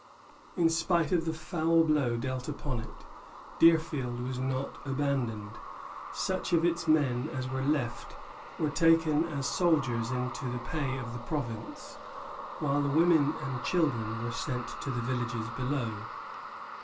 In spite of the foul blow dealt upon it, Deerfield was not abandoned. Such of its men as were left were taken as soldiers into the pay of the province, while the women and children were sent to the villages below.